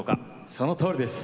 そのとおりです。